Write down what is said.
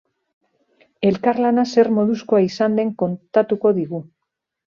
Elkarlana zer moduzkoa izan den kontatuko digu.